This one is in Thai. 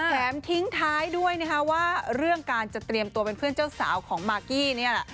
แถมทิ้งท้ายด้วยนะคะว่าเรื่องการจะเตรียมตัวเป็นเพื่อนเจ้าสาวของมากกี้เนี่ยแหละ